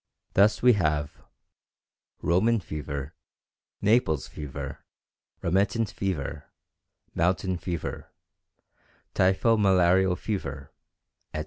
Thus we have "Roman fever," "Naples fever," "remittent fever," "mountain fever," "typhomalarial fever," etc.